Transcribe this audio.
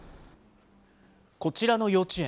こちらの幼稚園。